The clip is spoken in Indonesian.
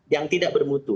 yang tidak bermutu